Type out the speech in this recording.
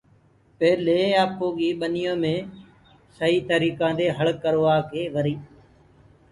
پيلي آپوئي ٻنيو مي سئي تريڪآ دي هݪ ڪروآڪي وري